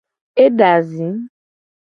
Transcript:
Eda zi.